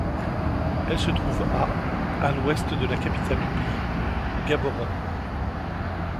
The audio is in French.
Elle se trouve à à l'ouest de la capitale du pays, Gaborone.